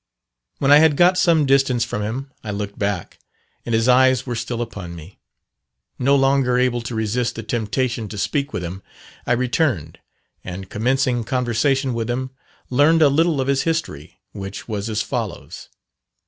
When I had got some distance from him I looked back, and his eyes were still upon me. No longer able to resist the temptation to speak with him, I returned, and commencing conversation with him, learned a little of his history, which was as follows.